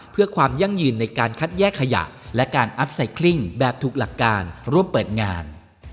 เพื่อความยั่งยืนในการคัดแยกขยะและการอัพไซคลิ่งแบบถูกหลักการร่วมเปิดงาน